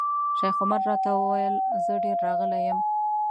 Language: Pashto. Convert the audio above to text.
شیخ عمر راته وویل زه ډېر راغلی یم.